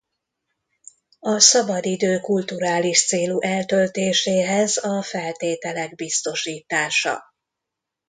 A szabadidő kulturális célú eltöltéséhez a feltételek biztosítása.